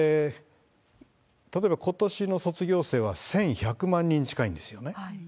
例えばことしの卒業生は１１００万人近いんですよね。